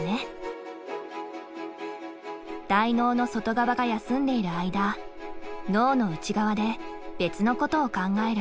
大脳の外側が休んでいる間脳の内側で別のことを考える。